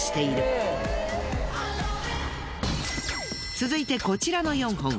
続いてこちらの４本。